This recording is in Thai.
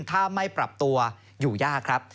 ถ้าไม่ปรับตัวอยู่ยากครับ